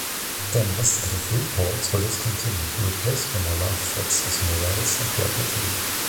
The investigative reports were discontinued, replaced by more live shots, as morale sank rapidly.